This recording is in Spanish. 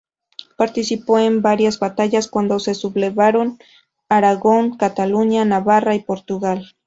Participó en varias batallas cuando se sublevaron Aragón, Cataluña, Navarra y Portugal.